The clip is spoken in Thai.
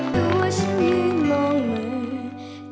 ตัวฉันยิ่งมองเหมือน